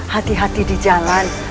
hati hati di jalan